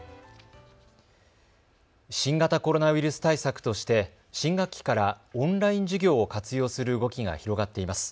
新型コロナウイルス対策として新学期からオンライン授業を活用する動きが広がっています。